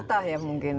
itu petah ya mungkin ya